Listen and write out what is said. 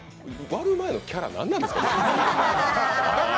割る前のキャラ、何ですか？